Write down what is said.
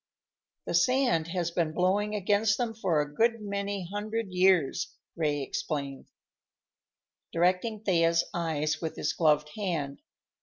"The sand has been blowing against them for a good many hundred years," Ray explained, directing Thea's eyes with his gloved hand.